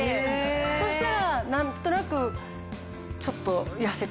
そしたら何となくちょっと。